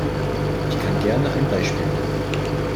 Ich kann gerne ein Beispiel nennen.